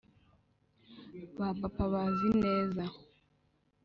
ba papa bazi neza